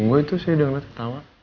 gue itu saya udah gak ketawa